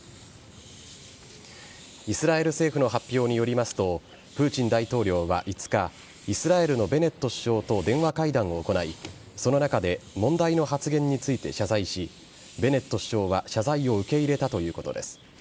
イスラエル政府の発表によりますとプーチン大統領は５日イスラエルのベネット首相と電話会談を行い、その中で問題の発言について謝罪しベネット首相は謝罪を受け入れたということです。